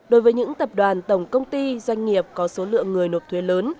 đối với những tập đoàn tổng công ty doanh nghiệp có số lượng người nộp thuế lớn